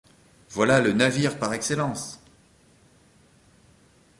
Voilà le navire par excellence !